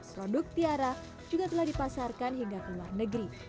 produk tiara juga telah dipasarkan hingga ke luar negeri